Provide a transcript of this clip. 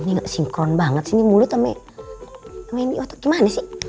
ini gak sinkron banget sih ini mulut sama ini otak gimana sih